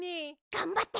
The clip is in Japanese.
がんばって！